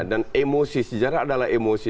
dan emosi sejarah adalah emosi